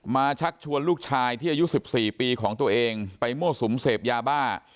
ชักชวนลูกชายที่อายุ๑๔ปีของตัวเองไปมั่วสุมเสพยาบ้า